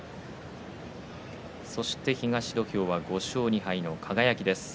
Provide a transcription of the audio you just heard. そして土俵は５勝２敗の輝です。